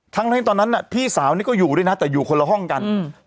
ทั้งทั้งตอนนั้นน่ะพี่สาวนี่ก็อยู่ด้วยนะแต่อยู่คนละห้องกันอืม